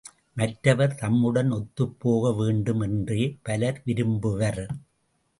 மற்றவர் தம்முடன் ஒத்துப்போக வேண்டும் என்றே பலர் விரும்புவர்.